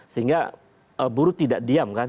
sehingga buruh tidak diam kan